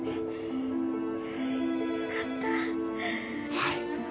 はい。